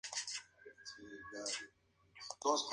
Lo hizo en sólo tres años.